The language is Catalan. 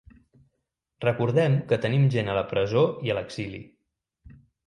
Recordem que tenim gent a la presó i a l’exili.